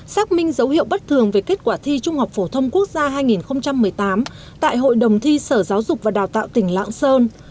xác minh dấu hiệu bất thường về kết quả thi trung học phổ thông quốc gia hai nghìn một mươi tám tại hội đồng thi sở giáo dục và đào tạo tỉnh lạng sơn